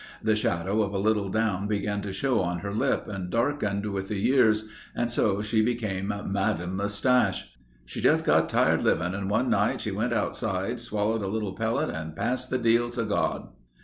The shadow of a little down began to show on her lip and darkened with the years and so she became Madame Moustache. "She just got tired living and one night she went outside, swallowed a little pellet and passed the deal to God."